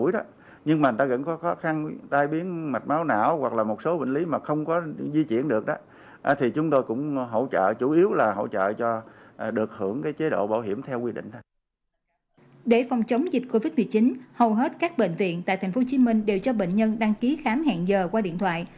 để phòng chống dịch covid một mươi chín hầu hết các bệnh viện tại tp hcm đều cho bệnh nhân đăng ký khám hẹn giờ qua điện thoại